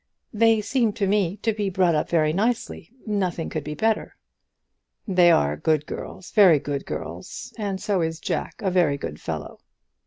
"They seem to me to be brought up very nicely; nothing could be better." "They are good girls, very good girls, and so is Jack a very good fellow."